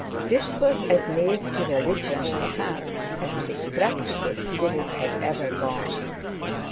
This was as near to religion, perhaps, as his practical spirit had ever gone.